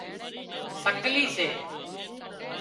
سڪلي سي